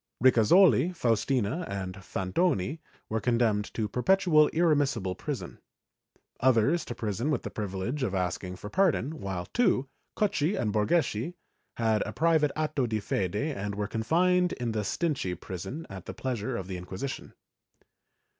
Ricasoli, Faustina and Fantoni were condemned to perpetual irremissible prison, others to prison with the privilege of asking for pardon, while two, Cocchi and Borgeschi, had a private atto di fede and were confined in the Stinche prison at the pleasure of the Inquisition.